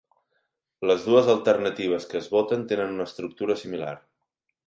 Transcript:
Les dues alternatives que es voten tenen una estructura similar.